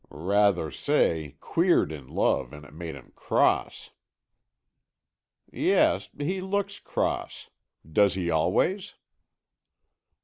"Rather say, queered in love and it made him cross." "Yes, he looks cross. Does he always?"